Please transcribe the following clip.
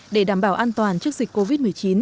để đảm bảo an toàn trước dịch covid một mươi chín